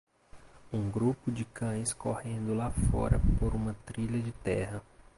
um grupo de cães correndo lá fora por uma trilha de terra.